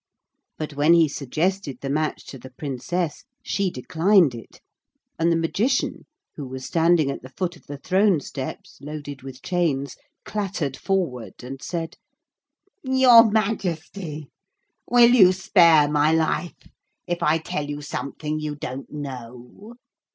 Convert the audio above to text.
But when he suggested the match to the Princess she declined it, and the Magician, who was standing at the foot of the throne steps loaded with chains, clattered forward and said: 'Your Majesty, will you spare my life if I tell you something you don't know?'